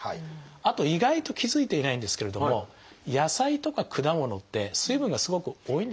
あと意外と気付いていないんですけれども野菜とか果物って水分がすごく多いんですよね。